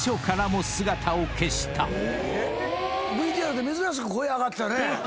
ＶＴＲで珍しく声上がってたね。